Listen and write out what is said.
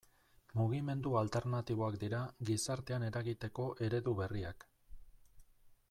Mugimendu alternatiboak dira gizartean eragiteko eredu berriak.